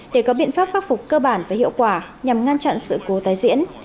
để có biện pháp khắc phục cơ bản và hiệu quả nhằm ngăn chặn sự cố tái diễn